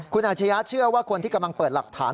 คุณอาชญะเชื่อว่าคนที่กำลังเปิดหลักฐาน